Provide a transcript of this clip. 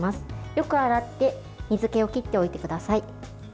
よく洗って水けを切っておいてください。